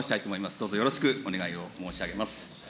どうぞよろしくお願いをいたします。